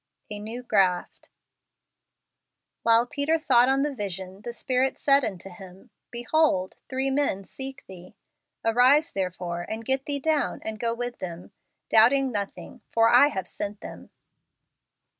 A New Graft. " While Peter thought on the vision, the Spirit said unto him , Behold, three men seek thee. Arise therefore, and get thee down, and go with them, doubting nothing: for I have sent them."